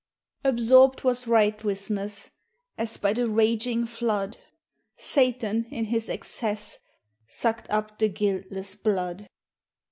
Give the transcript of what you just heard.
Absorpt was rightwisness, As by the raginge floude; Sathan, in his excess, Sucte up the guiltlesse bloude.